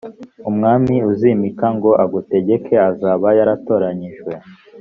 umwami uzimika ngo agutegeke azaba yaratoranyijwe